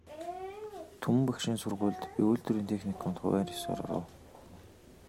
Түмэн багшийн сургуульд, би үйлдвэрийн техникумд хувиар ёсоор оров.